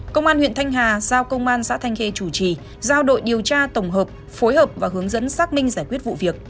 công an huyện thanh hà giao công an xã thanh khê chủ trì giao đội điều tra tổng hợp phối hợp và hướng dẫn xác minh giải quyết vụ việc